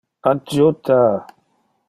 Adjuta!